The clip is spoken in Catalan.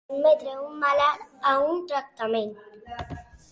Sotmetre un malalt a un tractament.